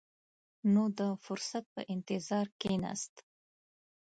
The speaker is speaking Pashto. نو د فرصت په انتظار کښېناست.